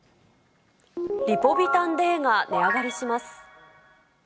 リポビタンＤが値上がりします。